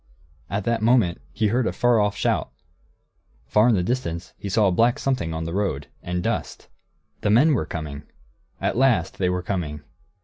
At that moment, he heard a far off shout. Far in the distance he saw a black something on the road, and dust. The men were coming! At last, they were coming.